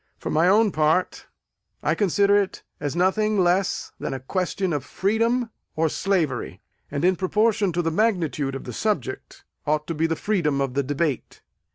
For my own part, I consider it as nothing less than a question of freedom or slavery; and in proportion to the magnitude of the subject ought to be the freedom of the debate.